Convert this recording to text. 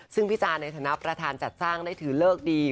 ซึ่งพี่จานในฐานะประธานจัดสร้างได้ถือเลิกดี